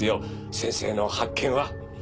先生の発見は。